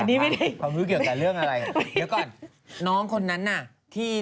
พี่ปุ้ยลูกโตแล้ว